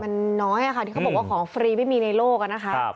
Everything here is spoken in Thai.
มันน้อยค่ะที่เขาบอกว่าของฟรีไม่มีในโลกอะนะคะ